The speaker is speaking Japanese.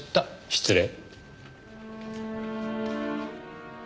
失礼。